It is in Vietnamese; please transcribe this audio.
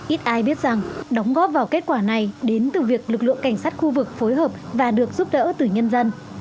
ít ai biết rằng đóng góp vào kết quả này đến từ việc lực lượng cảnh sát khu vực phối hợp và được giúp đỡ từ nhân dân